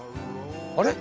あれ？